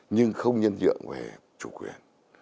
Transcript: nhưng không nhân dựa về chủ quyền